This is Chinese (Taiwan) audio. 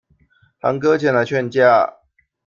堂哥前來勸架